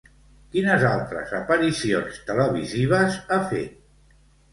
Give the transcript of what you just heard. Quines altres aparicions televisives ha fet?